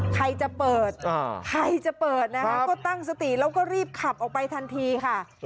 ใครจะเปิดใครจะเปิดนะคะก็ตั้งสติแล้วก็รีบขับออกไปทันทีค่ะ